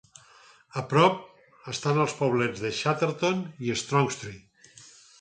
A prop, estan els poblets de Chatterton i Strongstry.